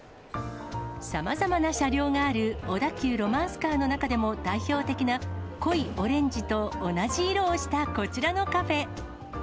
さまざまな車両がある小田急ロマンスカーの中でも代表的な、濃いオレンジと同じ色をしたこちらのカフェ。